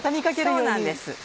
そうなんです。